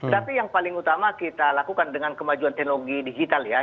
tapi yang paling utama kita lakukan dengan kemajuan teknologi digital ya